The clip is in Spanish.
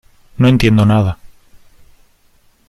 no entiendo nada.